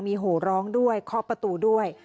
มีโหร้องด้วยเคาะประตูด้วย